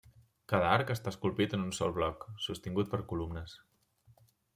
Cada arc està esculpit en un sol bloc, sostingut per columnes.